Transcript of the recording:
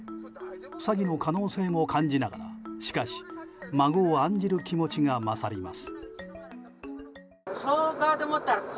詐欺の可能性も感じながらしかし孫を案じる気持ちが勝ります。